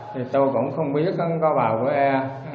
thì tôi cũng không biết có bào của ai